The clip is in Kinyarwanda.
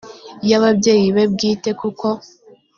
y abayeyi be bwite kuko